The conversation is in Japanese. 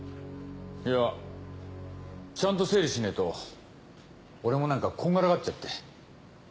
いやちゃんと整理しねえと俺も何かこんがらがっちゃって。